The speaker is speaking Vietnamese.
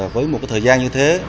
với một thời gian như thế